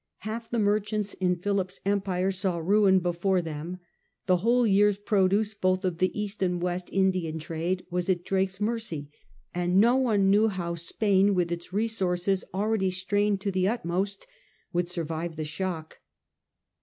Half the merchants in Philip's empire saw ruin before them : the whole year's produce both of the East and West Indian trade was at Drake's mercy; and no one knew how Spain with its resources already strained to the utmost would survive the shock.